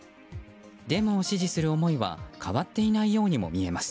デモを支持する思いは変わっていないようにも見えます。